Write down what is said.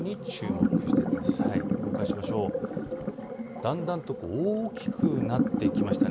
だんだんと大きくなってきました。